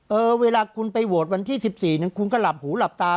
เวลาคุณไปโหวตวันที่๑๔คุณก็หลับหูหลับตา